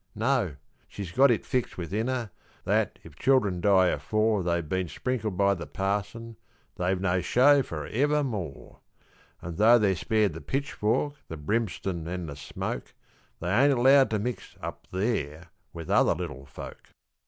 No, she's got it fixed within her that, if children die afore They've been sprinkled by the parson, they've no show for evermore; An' though they're spared the pitchfork, the brimstun, an' the smoke, They ain't allowed to mix up there with other little folk.